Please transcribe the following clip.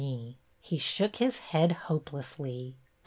He shook his head hopelessly.